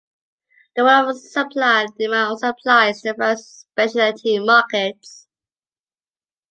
The model of supply and demand also applies to various specialty markets.